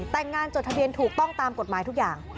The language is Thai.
แต่งงานจดทะเบียนถูกต้องตามกฎหมายทุกอย่าง